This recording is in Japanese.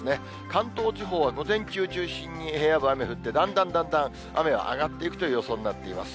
関東地方は午前中中心に平野部雨が降って、だんだんだんだん雨は上がっていくという予想になっています。